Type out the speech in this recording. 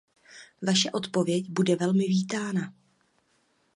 Vaše odpověď bude velmi vítána.